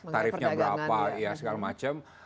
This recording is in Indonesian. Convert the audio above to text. tarifnya berapa segala macam